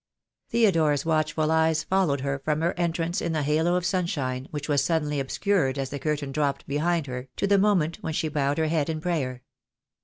Theo dore's watchful eyes followed her from her entrance in a halo of sunshine, which was suddenly obscured as the curtain dropped behind her, to the moment when she bowed her head in prayer.